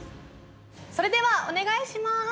それではお願いします。